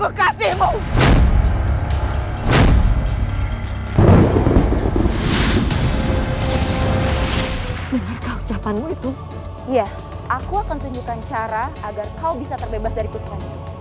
aku akan tunjukkan cara agar kau bisa terbebas dari kusuhannya